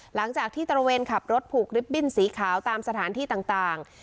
หลังจากที่ตระเวนขับรถผูกริปบิ้นสีขาวตามสถานที่ต่าง